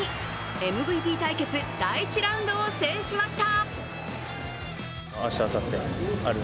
ＭＶＰ対決、第１ラウンドを制しました。